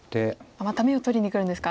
また眼を取りにくるんですか。